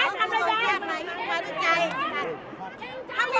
ต้องใจร่วม